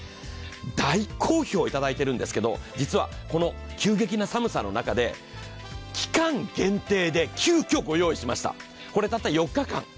大好評いただいているんですけれども、実はこの急激な寒さの中で期間限定で急きょ、ご用意しましたこれ、たった４日間。